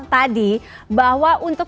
tadi bahwa untuk